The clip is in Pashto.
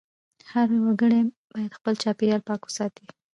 هر وګړی باید خپل چاپېریال پاک وساتي.